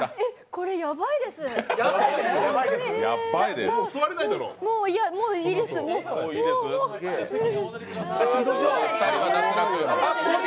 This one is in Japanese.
これ、やばいです、本当に。